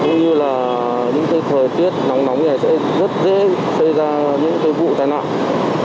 như là những thời tiết nóng nóng này sẽ rất dễ xây ra những vụ tai nạn